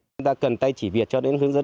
chúng ta cần tay chỉ việc cho đến hướng dẫn